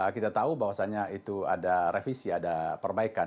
kita tahu bahwasannya itu ada revisi ada perbaikan